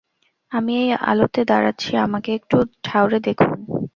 আমি এই আলোতে দাঁড়াচ্ছি, আমাকে একটু ঠাউরে দেখুন!